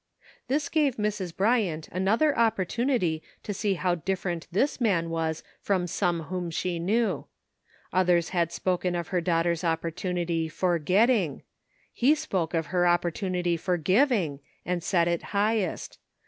This gave Mrs. Bryant another opportunity to see how differ ent this ,man was from some whom she knew. Others had spoken of her daughter's opportu nity for getting ; he spoke of her opportunity for giving, and set it highest.